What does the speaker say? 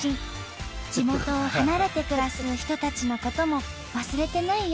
地元を離れて暮らす人たちのことも忘れてないよ。